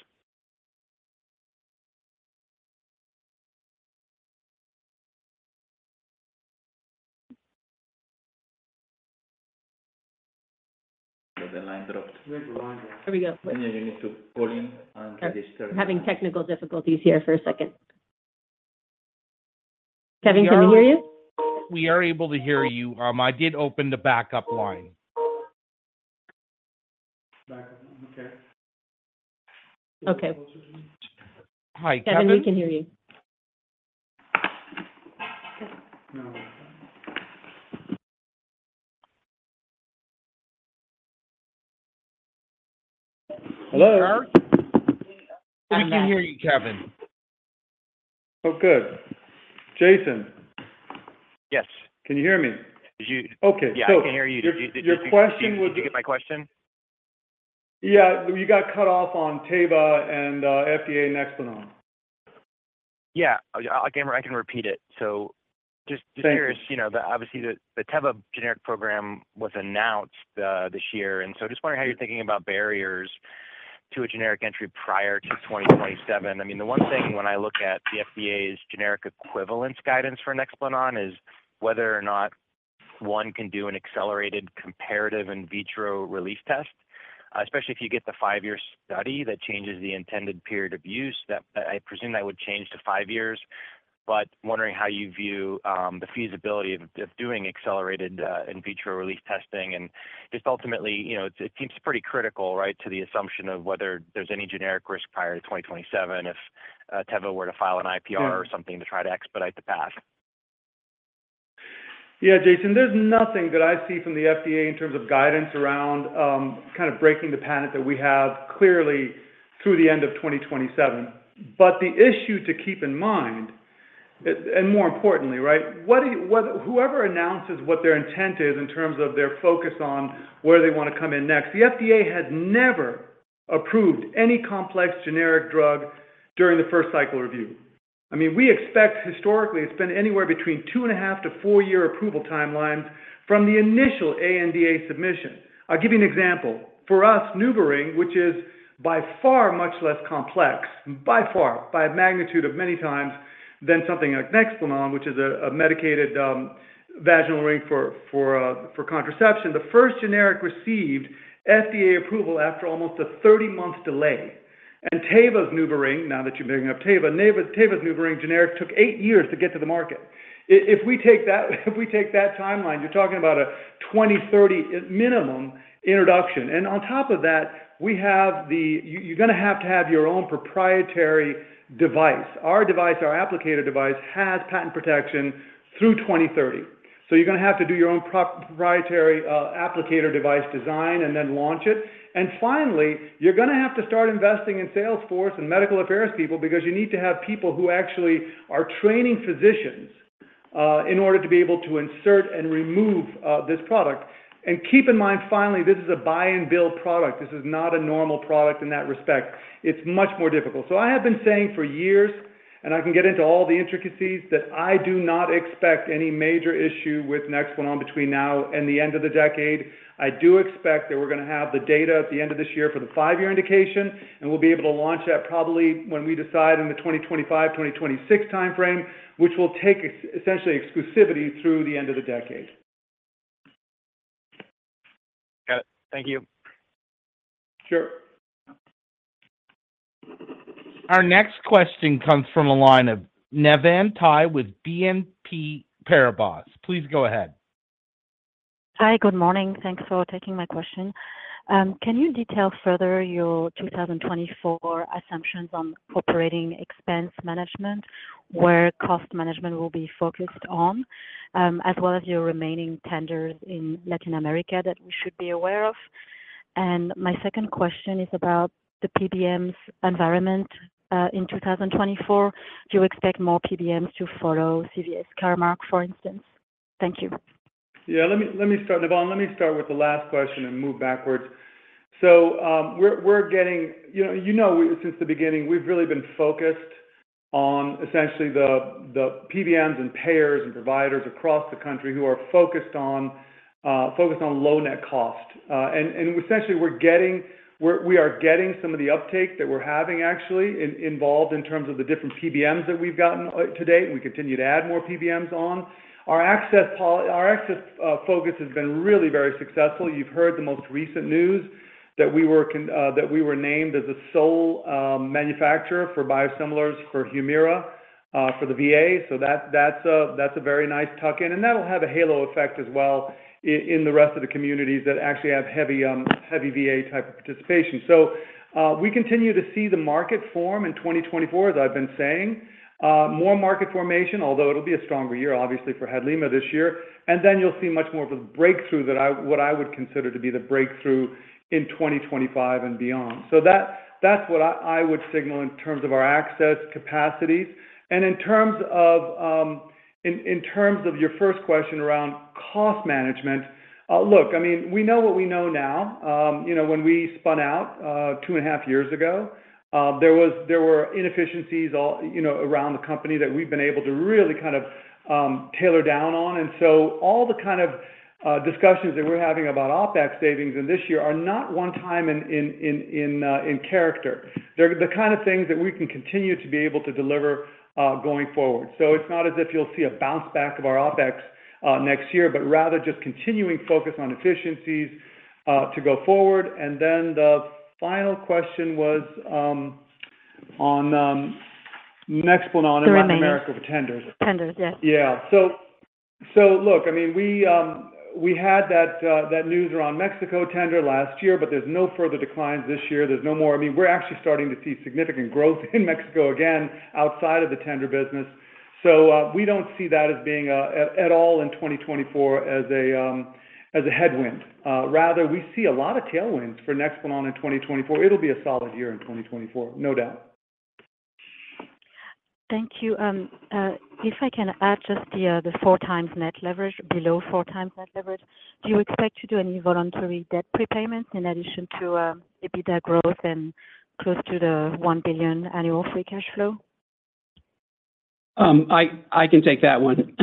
The line dropped. There we go. Then you need to call in and register. Kevin, having technical difficulties here for a second. Kevin, can we hear you? We are able to hear you. I did open the backup line. Backup line. Okay. Okay. Hi, Kevin. Kevin, we can hear you. Hello. We can hear you, Kevin. Oh, good. Jason. Yes. Can you hear me? Did you? Okay. Yeah. I can hear you. Did you get my question? Yeah. You got cut off on Teva and FDA Nexplanon. Yeah. I can repeat it. So just curious, you know, that obviously the Teva generic program was announced this year, and so I just wonder how you're thinking about barriers to a generic entry prior to 2027. I mean, the one thing when I look at the FDA's generic equivalence guidance for Nexplanon is whether or not one can do an accelerated comparative in vitro release test, especially if you get the five-year study that changes the intended period of use. That I presume that would change to five years, but wondering how you view the feasibility of doing accelerated in vitro release testing. And just ultimately, you know, it seems pretty critical, right, to the assumption of whether there's any generic risk prior to 2027 if Teva were to file an IPR or something to try to expedite the path. Yeah, Jason. There's nothing that I see from the FDA in terms of guidance around kind of breaking the patent that we have clearly through the end of 2027. But the issue to keep in mind, and more importantly, right, what do you whether whoever announces what their intent is in terms of their focus on where they want to come in next, the FDA has never approved any complex generic drug during the first cycle review. I mean, we expect historically it's been anywhere between 2.5 to four-year approval timelines from the initial ANDA submission. I'll give you an example. For us, NuvaRing, which is by far much less complex, by far, by a magnitude of many times than something like Nexplanon, which is a medicated vaginal ring for contraception, the first generic received FDA approval after almost a 30-month delay. Teva's NuvaRing, now that you're bringing up Teva, Teva's NuvaRing generic took eight years to get to the market. If we take that timeline, you're talking about a 2030 minimum introduction. And on top of that, you're going to have to have your own proprietary device. Our device, our applicator device, has patent protection through 2030. So you're going to have to do your own proprietary applicator device design and then launch it. And finally, you're going to have to start investing in sales force and medical affairs people because you need to have people who actually are training physicians in order to be able to insert and remove this product. And keep in mind, finally, this is a buy-and-bill product. This is not a normal product in that respect. It's much more difficult. So I have been saying for years, and I can get into all the intricacies, that I do not expect any major issue with Nexplanon between now and the end of the decade. I do expect that we're going to have the data at the end of this year for the five-year indication, and we'll be able to launch that probably when we decide in the 2025-2026 timeframe, which will take essentially exclusivity through the end of the decade. Got it. Thank you. Sure. Our next question comes from a line of Navann Ty with BNP Paribas. Please go ahead. Hi. Good morning. Thanks for taking my question. Can you detail further your 2024 assumptions on operating expense management, where cost management will be focused on, as well as your remaining tenders in Latin America that we should be aware of? My second question is about the PBM environment in 2024. Do you expect more PBMs to follow CVS Caremark, for instance? Thank you. Yeah. Let me start. Navann, let me start with the last question and move backwards. So, we're getting you know, since the beginning, we've really been focused on essentially the PBMs and payers and providers across the country who are focused on low-net cost. And essentially, we're getting we are getting some of the uptake that we're having, actually, involved in terms of the different PBMs that we've gotten today, and we continue to add more PBMs on. Our access policy, our access focus has been really very successful. You've heard the most recent news that we were named as the sole manufacturer for biosimilars for HUMIRA for the VA. So that's a very nice tuck-in. And that'll have a halo effect as well in the rest of the communities that actually have heavy VA-type participation. So, we continue to see the market form in 2024, as I've been saying, more market formation, although it'll be a stronger year, obviously, for HADLIMA this year. And then you'll see much more of a breakthrough that I what I would consider to be the breakthrough in 2025 and beyond. So that's what I would signal in terms of our access capacities. And in terms of your first question around cost management, look, I mean, we know what we know now. You know, when we spun out 2.5 years ago, there were inefficiencies all, you know, around the company that we've been able to really kind of taper down on. So all the kind of discussions that we're having about OpEx savings this year are not one-time in character. They're the kind of things that we can continue to be able to deliver going forward. So it's not as if you'll see a bounce back of our OpEx next year, but rather just continuing focus on efficiencies to go forward. And then the final question was on Nexplanon and Latin America for tenders. Tenders. Yes. Yeah. So look, I mean, we had that news around Mexico tender last year, but there's no further declines this year. There's no more. I mean, we're actually starting to see significant growth in Mexico again outside of the tender business. So, we don't see that as being, at all in 2024 as a headwind. Rather, we see a lot of tailwinds for Nexplanon in 2024. It'll be a solid year in 2024, no doubt. Thank you. If I can add just the 4x net leverage, below 4x net leverage, do you expect to do any voluntary debt prepayments in addition to EBITDA growth and close to the $1 billion annual free cash flow? I can take that one.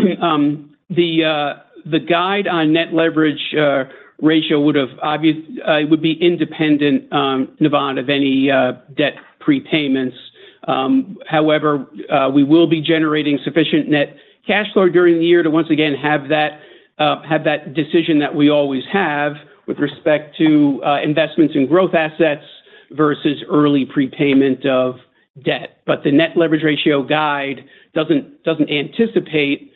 The guide on net leverage ratio would obviously be independent, Navann, of any debt prepayments. However, we will be generating sufficient net cash flow during the year to once again have that, have that decision that we always have with respect to investments in growth assets versus early prepayment of debt. But the net leverage ratio guide doesn't doesn't anticipate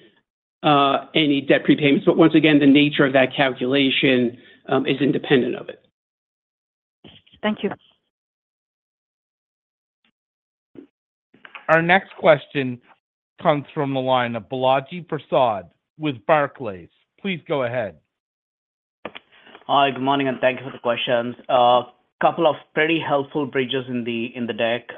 any debt prepayments. But once again, the nature of that calculation is independent of it. Thank you. Our next question comes from a line of Balaji Prasad with Barclays. Please go ahead. Hi. Good morning. Thank you for the questions. A couple of pretty helpful bridges in the deck,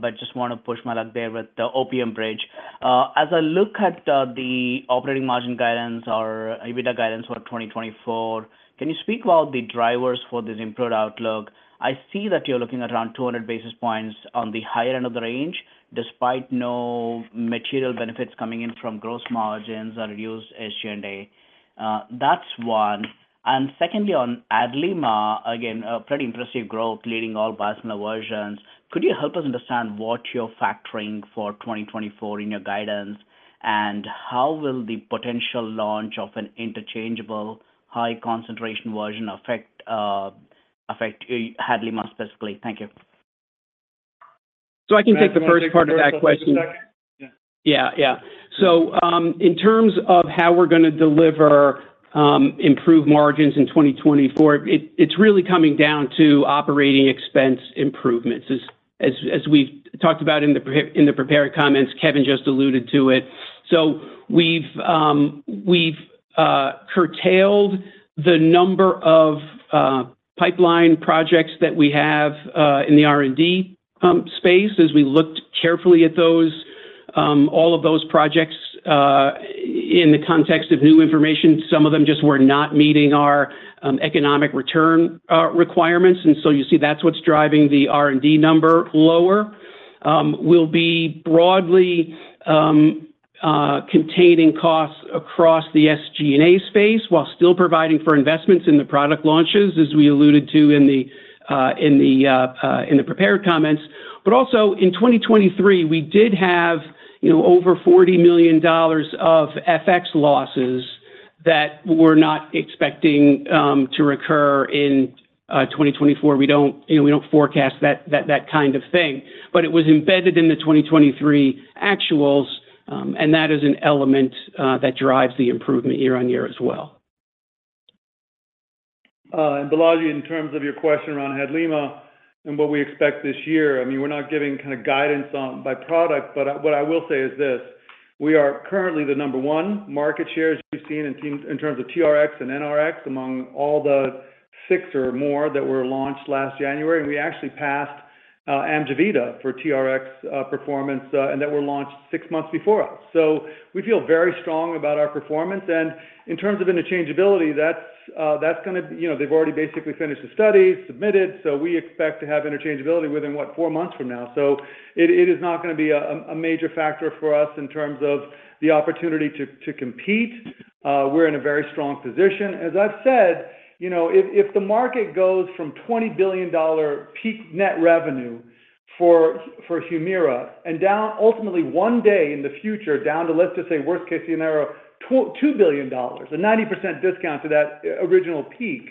but just want to push my luck there with the OPM bridge. As I look at the operating margin guidance or EBITDA guidance for 2024, can you speak about the drivers for this improved outlook? I see that you're looking at around 200 basis points on the higher end of the range despite no material benefits coming in from gross margins or reduced SG&A. That's one. And secondly, on HADLIMA, again, pretty impressive growth leading all biosimilar versions. Could you help us understand what you're factoring for 2024 in your guidance, and how will the potential launch of an interchangeable high-concentration version affect, affect HADLIMA specifically? Thank you. So I can take the first part of that question. Yeah. Yeah. Yeah. So, in terms of how we're going to deliver improved margins in 2024, it's really coming down to operating expense improvements, as we've talked about in the prepared comments. Kevin just alluded to it. So we've curtailed the number of pipeline projects that we have in the R&D space as we looked carefully at those projects in the context of new information. Some of them just were not meeting our economic return requirements. And so you see that's what's driving the R&D number lower. We'll be broadly containing costs across the SG&A space while still providing for investments in the product launches, as we alluded to in the prepared comments. But also in 2023, we did have, you know, over $40 million of FX losses that we're not expecting to recur in 2024. We don't, you know, we don't forecast that kind of thing. But it was embedded in the 2023 actuals, and that is an element that drives the improvement year-over-year as well. And Balaji, in terms of your question around HADLIMA and what we expect this year, I mean, we're not giving kind of guidance on by product. But what I will say is this: we are currently the number one market shares you've seen in terms of TRx and NRx among all the six or more that were launched last January. And we actually passed Amgevita for TRx performance, and that were launched six months before us. So we feel very strong about our performance. And in terms of interchangeability, that's going to, you know, they've already basically finished the studies, submitted. So we expect to have interchangeability within what, four months from now. So it is not going to be a major factor for us in terms of the opportunity to compete. We're in a very strong position. As I've said, you know, if if the market goes from $20 billion peak net revenue for for HUMIRA and down ultimately one day in the future down to, let's just say, worst case scenario, $2 billion, a 90% discount to that original peak,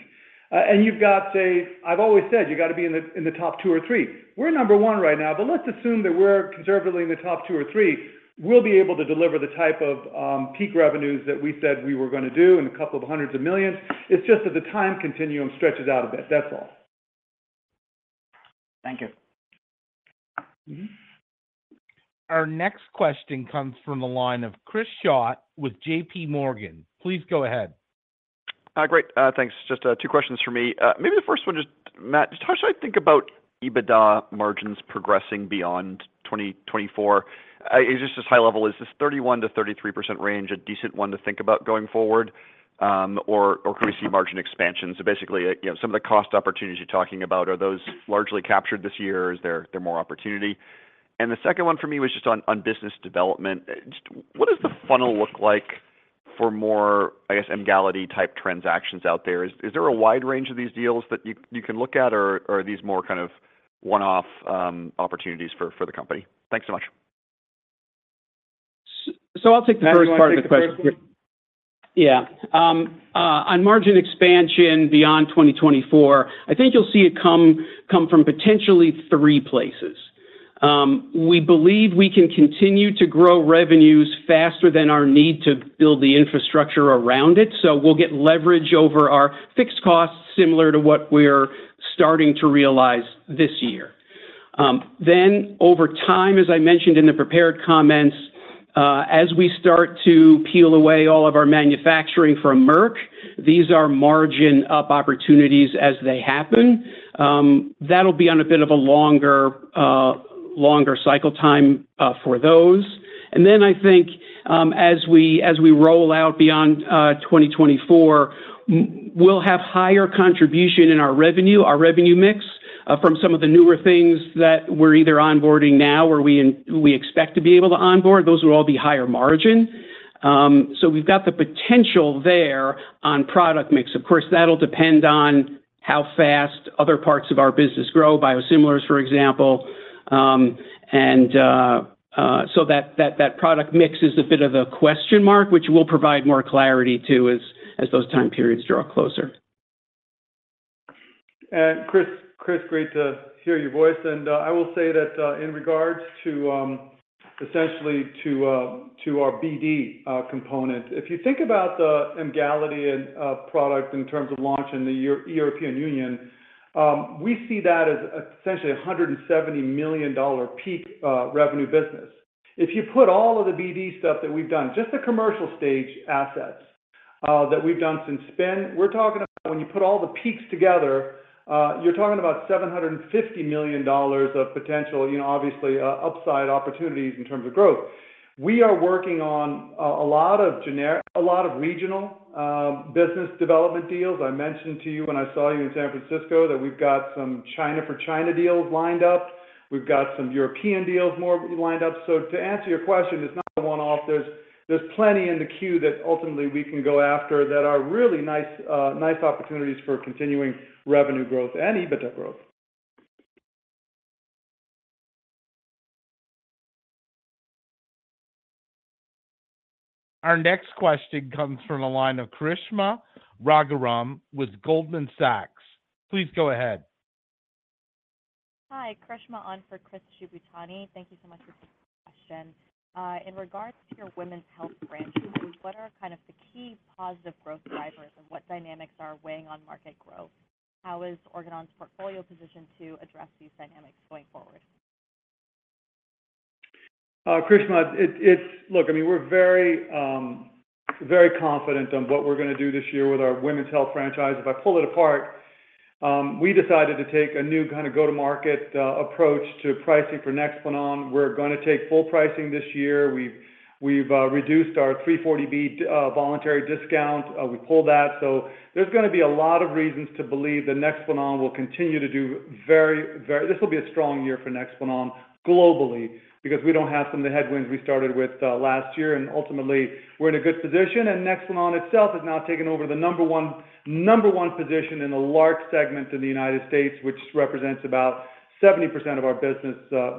and you've got, say I've always said, you've got to be in the in the top two or three. We're number one right now. But let's assume that we're conservatively in the top two or three. We'll be able to deliver the type of peak revenues that we said we were going to do in a couple hundred million. It's just that the time continuum stretches out a bit. That's all. Thank you. Our next question comes from a line of Chris Schott with JPMorgan. Please go ahead. Great. Thanks. Just two questions for me. Maybe the first one, just Matt, just how should I think about EBITDA margins progressing beyond 2024? I just, high level, is this 31%-33% range a decent one to think about going forward, or can we see margin expansions? So basically, you know, some of the cost opportunities you're talking about, are those largely captured this year? Is there more opportunity? And the second one for me was just on business development. Just what does the funnel look like for more, I guess, Emgality-type transactions out there? Is there a wide range of these deals that you can look at, or are these more kind of one-off opportunities for the company? Thanks so much. So I'll take the first part of the question. Yeah. On margin expansion beyond 2024, I think you'll see it come from potentially three places. We believe we can continue to grow revenues faster than our need to build the infrastructure around it. So we'll get leverage over our fixed costs similar to what we're starting to realize this year. Then over time, as I mentioned in the prepared comments, as we start to peel away all of our manufacturing from Merck, these are margin-up opportunities as they happen. That'll be on a bit of a longer, longer cycle time, for those. And then I think, as we as we roll out beyond 2024, we'll have higher contribution in our revenue, our revenue mix, from some of the newer things that we're either onboarding now or we in we expect to be able to onboard. Those will all be higher margin. So we've got the potential there on product mix. Of course, that'll depend on how fast other parts of our business grow, biosimilars, for example. So that product mix is a bit of a question mark, which we'll provide more clarity to as those time periods draw closer. And Chris, great to hear your voice. And I will say that, in regards to essentially to our BD component, if you think about the Emgality product in terms of launch in the European Union, we see that as essentially a $170 million peak revenue business. If you put all of the BD stuff that we've done, just the commercial stage assets that we've done since spin, we're talking about when you put all the peaks together, you're talking about $750 million of potential, you know, obviously, upside opportunities in terms of growth. We are working on a lot of generic a lot of regional business development deals. I mentioned to you when I saw you in San Francisco that we've got some China for China deals lined up. We've got some European deals more lined up. So to answer your question, it's not a one-off. There's there's plenty in the queue that ultimately we can go after that are really nice, nice opportunities for continuing revenue growth and EBITDA growth. Our next question comes from a line of Karishma Raghuram with Goldman Sachs. Please go ahead. Hi. Karishma on for Chris Shibutani. Thank you so much for the question. In regards to your women's health branch, what are kind of the key positive growth drivers, and what dynamics are weighing on market growth? How is Organon's portfolio positioned to address these dynamics going forward? Karishma, look, I mean, we're very, very confident on what we're going to do this year with our women's health franchise. If I pull it apart, we decided to take a new kind of go-to-market approach to pricing for Nexplanon. We're going to take full pricing this year. We've reduced our 340B voluntary discount. We pulled that. So there's going to be a lot of reasons to believe that Nexplanon will continue to do very, very. This will be a strong year for Nexplanon globally because we don't have some of the headwinds we started with last year. And ultimately, we're in a good position. And Nexplanon itself has now taken over the number one position in the LARC segment in the United States, which represents about 70% of our business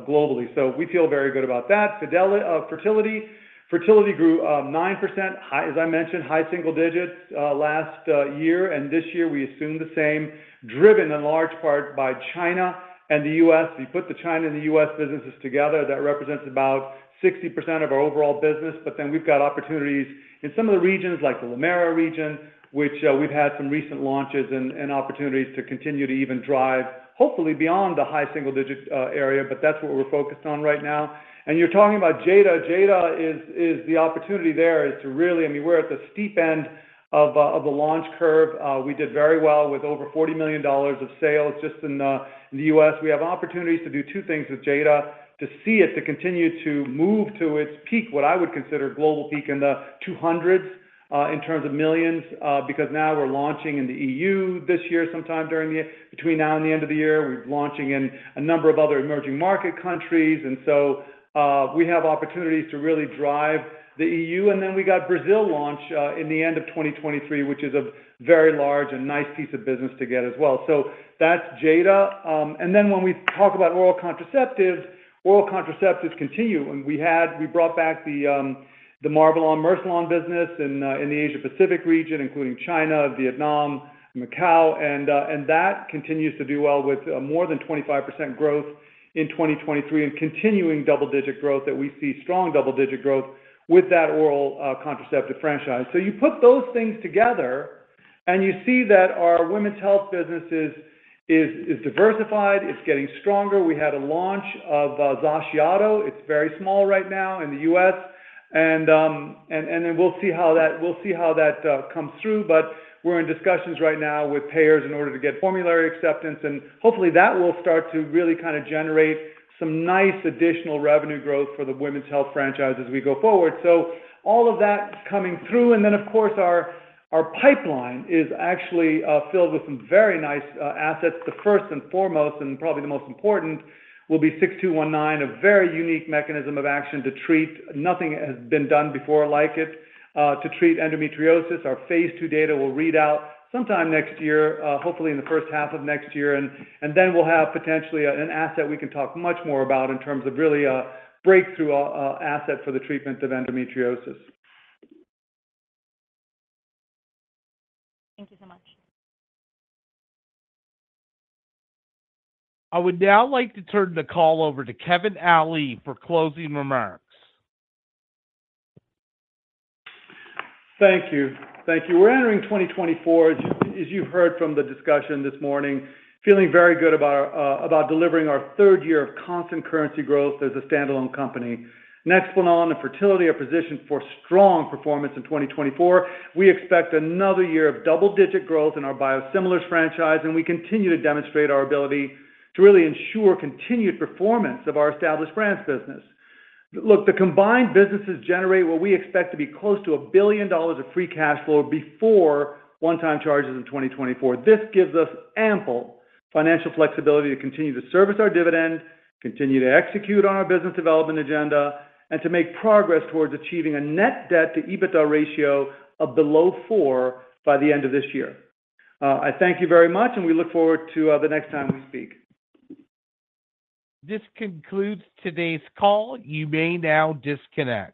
globally. So we feel very good about that. Fertility. Fertility grew 9%, as I mentioned, high single digits last year. This year, we assume the same, driven in large part by China and the U.S. If you put the China and the U.S. businesses together, that represents about 60% of our overall business. But then we've got opportunities in some of the regions like the Latin America region, which we've had some recent launches and opportunities to continue to even drive, hopefully, beyond the high single-digit area. But that's what we're focused on right now. You're talking about Jada. Jada is the opportunity there is to really I mean, we're at the steep end of the launch curve. We did very well with over $40 million of sales just in the U.S. We have opportunities to do two things with Jada: to see it continue to move to its peak, what I would consider global peak in the 200s in terms of million, because now we're launching in the EU this year sometime during the year between now and the end of the year. We're launching in a number of other emerging market countries. And so, we have opportunities to really drive the EU. And then we got Brazil launch, at the end of 2023, which is a very large and nice piece of business to get as well. So that's Jada. And then when we talk about oral contraceptives, oral contraceptives continue. And we had brought back the Marvelon-Mercilon business in the Asia-Pacific region, including China, Vietnam, Macau. And that continues to do well with more than 25% growth in 2023 and continuing double-digit growth that we see, strong double-digit growth with that oral contraceptive franchise. So you put those things together, and you see that our women's health business is diversified. It's getting stronger. We had a launch of XACIATO. It's very small right now in the U.S. And then we'll see how that comes through. But we're in discussions right now with payers in order to get formulary acceptance. And hopefully, that will start to really kind of generate some nice additional revenue growth for the women's health franchise as we go forward. So all of that coming through. And then, of course, our pipeline is actually filled with some very nice assets. The first and foremost and probably the most important will be 6219, a very unique mechanism of action to treat. Nothing has been done before like it to treat endometriosis. Our phase II data will read out sometime next year, hopefully in the first half of next year. And then we'll have potentially an asset we can talk much more about in terms of really a breakthrough asset for the treatment of endometriosis. Thank you so much. I would now like to turn the call over to Kevin Ali for closing remarks. Thank you. Thank you. We're entering 2024, as you've heard from the discussion this morning, feeling very good about delivering our third year of constant currency growth as a standalone company. Nexplanon and Fertility are positioned for strong performance in 2024. We expect another year of double-digit growth in our biosimilars franchise. We continue to demonstrate our ability to really ensure continued performance of our established brands business. Look, the combined businesses generate what we expect to be close to $1 billion of free cash flow before one-time charges in 2024. This gives us ample financial flexibility to continue to service our dividend, continue to execute on our business development agenda, and to make progress towards achieving a net debt to EBITDA ratio of below four by the end of this year. I thank you very much. We look forward to the next time we speak. This concludes today's call. You may now disconnect.